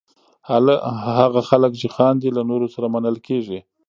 هغه خلک چې خاندي، له نورو سره منل کېږي.